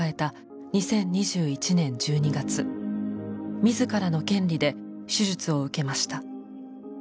２０２１年１２月自らの権利で手術を受けました。